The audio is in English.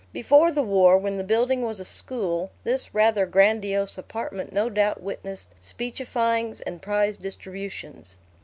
Before the war, when the building was a school, this rather grandiose apartment no doubt witnessed speechifyings and prize distributions.